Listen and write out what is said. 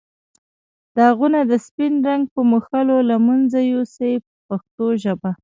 داغونه د سپین رنګ په مښلو له منځه یو سئ په پښتو ژبه.